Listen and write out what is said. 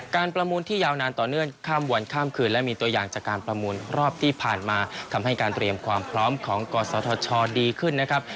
ประมูลที่ยาวนานต่อเนื่องข้ามวันข้ามคืนและมีตัวอย่างจากการประมูลรอบที่ผ่านมาทำให้การเตรียมความพร้อมของกศธชดีขึ้นนะครับ